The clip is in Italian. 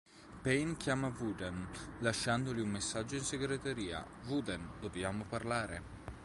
Payne chiama Woden, lasciandogli un messaggio in segretaria: "Woden, dobbiamo parlare.